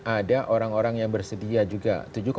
ada orang orang yang bersedia juga